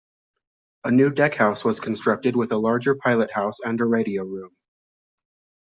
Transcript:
A new deckhouse was constructed with a larger pilothouse and a radio room.